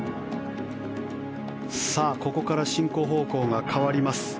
ここから進行方向が変わります。